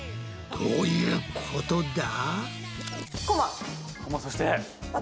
どういうことだ？